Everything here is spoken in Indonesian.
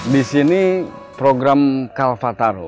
di sini program kalpataru